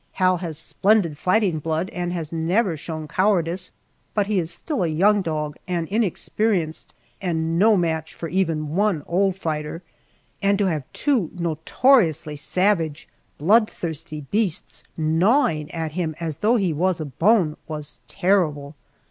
Hal has splendid fighting blood and has never shown cowardice, but he is still a young dog and inexperienced, and no match for even one old fighter, and to have two notoriously savage, bloodthirsty beasts gnawing at him as though he was a bone was terrible.